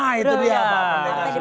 nah itu dia pak